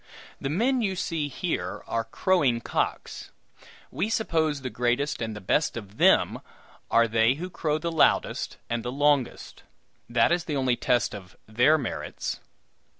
The men you see here are crowing cocks. We suppose the greatest and the best of them are they who crow the loudest and the longest; that is the only test of their merits."